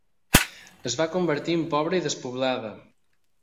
Es va convertir en pobra i despoblada.